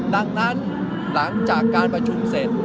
ดังนั้นหลังจากการประชุมเสร็จ